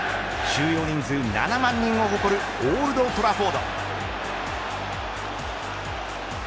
収容人数７万人を誇るオールド・トラフォード。